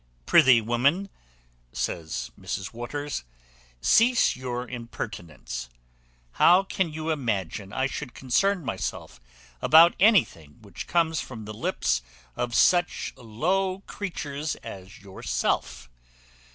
"Prithee, woman," says Mrs Waters, "cease your impertinence: how can you imagine I should concern myself about anything which comes from the lips of such low creatures as yourself?